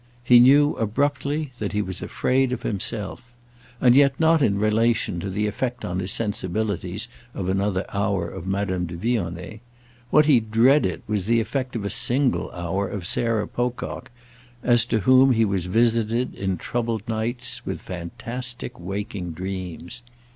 He knew abruptly that he was afraid of himself—and yet not in relation to the effect on his sensibilities of another hour of Madame de Vionnet. What he dreaded was the effect of a single hour of Sarah Pocock, as to whom he was visited, in troubled nights, with fantastic waking dreams.